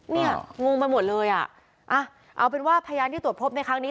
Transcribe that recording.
งงไปหมดเลยอ่ะเอาเป็นว่าพยานที่ตรวจพบในครั้งนี้